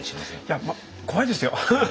いやまあ怖いですよ！